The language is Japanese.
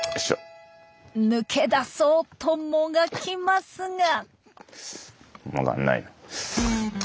抜け出そうともがきますが。